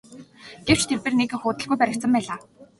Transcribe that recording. Гэвч тэрбээр нэг их удалгүй баригдсан байлаа.